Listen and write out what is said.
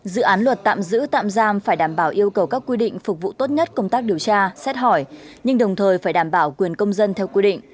dự án luật tạm giữ tạm giam phải đảm bảo yêu cầu các quy định phục vụ tốt nhất công tác điều tra xét hỏi nhưng đồng thời phải đảm bảo quyền công dân theo quy định